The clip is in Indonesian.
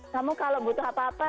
kamu kalau butuh apa apa